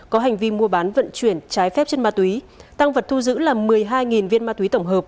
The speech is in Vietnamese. có hành vi mua bán vận chuyển trái phép chất ma túy tăng vật thu giữ là một mươi hai viên ma túy tổng hợp